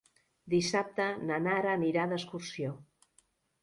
Dissabte na Nara anirà d'excursió.